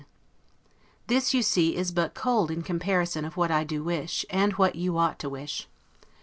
This, you see, is but cold in comparison of what I do wish, and of what you ought to wish.